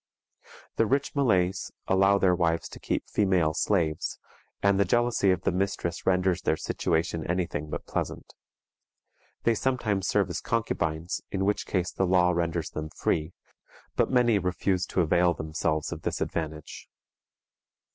The rich Malays allow their wives to keep female slaves, and the jealousy of the mistress renders their situation any thing but pleasant. They sometimes serve as concubines, in which case the law renders them free, but many refuse to avail themselves of this advantage.